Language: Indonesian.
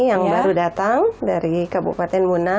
yang baru datang dari kabupaten muna